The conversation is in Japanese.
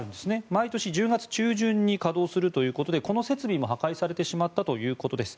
毎年１０月中旬に稼働するということでこの設備も破壊されてしまったということです。